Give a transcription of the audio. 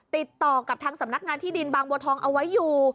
ติดต่อกับทางสำนักงานที่ดินบางบัวทองเอาไว้อยู่